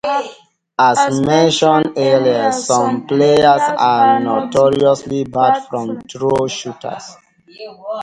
As mentioned earlier, some players are notoriously bad free throw shooters.